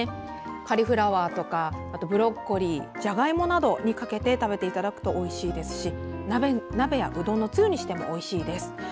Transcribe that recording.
カリフラワーとかブロッコリーじゃがいもなどにかけて食べていただくとおいしいですし鍋やうどんのつゆにしてもおいしいです。